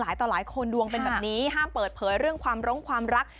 ห้ามเปิดเพลิงเรื่องความร้องความรัก